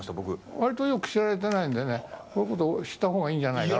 割と知られていないのでこういうこと知ったほうがいいんじゃないかな。